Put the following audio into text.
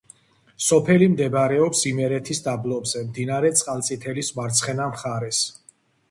სოფელი მდებარეობს იმერეთის დაბლობზე, მდინარე წყალწითელის მარცხენა მხარეს.